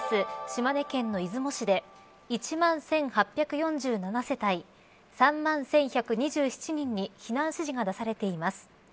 島根県の出雲市で１万１８４７世帯３万１１２７人に避難指示が出されています。